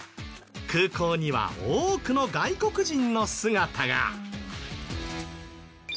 空港には多くの外国人の姿が。